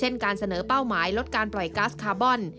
การเสนอเป้าหมายลดการปล่อยก๊าซคาร์บอน